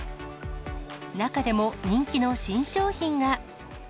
中でも人気の新商品が。